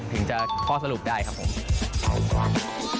ถึงจะข้อสรุปได้ครับผม